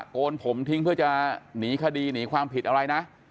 โกนผมทิ้งเพื่อจะหนีคดีหนีความผิดอะไรนะ